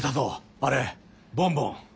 あれ「ボンボン」。